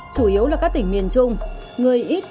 chủ yếu là các tỉnh miền trung